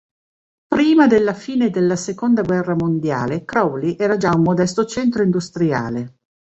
Prima della fine della Seconda guerra mondiale Crawley era già un modesto centro industriale.